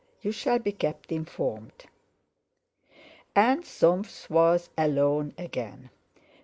You shall be kept informed." And Soames was alone again.